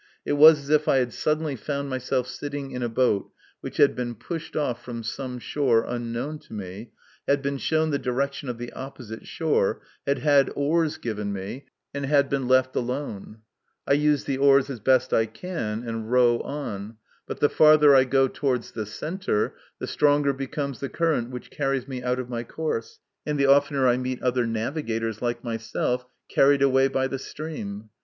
It was as if \ had suddenly found myself sitting in a boat which had been pushed off from some shore unknown to me, had been shown the direction of the opposite shore, had had oars given me, 116 MY CONFESSION. and had been left alone. I use the oars as best I can, and row on ; but the farther I go towards the centre, the stronger becomes the current which carries me out of my course, and the oftener I meet other navigators, like myself, carried away by the stream.